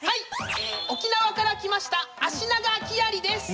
沖縄から来ましたアシナガキアリです！